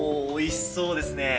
おおいしそうですね。